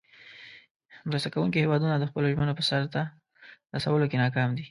مرسته کوونکې هیوادونه د خپلو ژمنو په سر ته رسولو کې ناکام دي.